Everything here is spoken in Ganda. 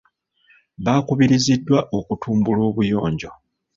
Baakubirizddwa okutumbula obuyonjo.